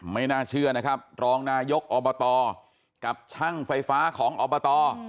ไม่น่าเชื่อนะครับรองนายกอบตกับช่างไฟฟ้าของอบต